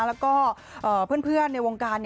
แล้วก็เพื่อนในวงการ